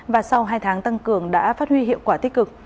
và sau hai tháng tăng cường đã phát huy hiệu quả tích cực